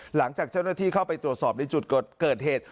หลังจากเจ้าหน้าที่เข้าไปตรวจสอบในจุดเกิดเหตุ